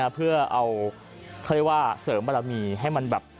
เพื่อเอาเขาเรียกว่าเสริมบารมีให้มันแบบ